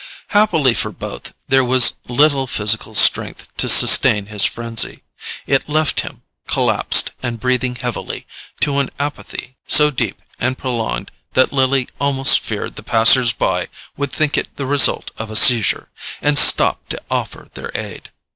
Happily for both, there was little physical strength to sustain his frenzy. It left him, collapsed and breathing heavily, to an apathy so deep and prolonged that Lily almost feared the passers by would think it the result of a seizure, and stop to offer their aid.